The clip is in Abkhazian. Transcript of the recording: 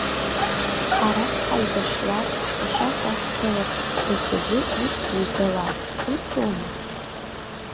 Ҳара ҳаибашьлап, ашьа каҳҭәалап, даҽаӡәы ахьӡ игалап, усоума?